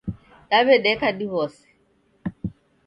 Daw'edeka diw'ose.